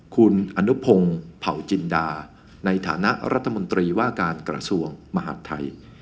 คุณอนุพงศ์เผาจินดาในฐานะรัฐมนตรีว่าการกระทรวงมหาดไทย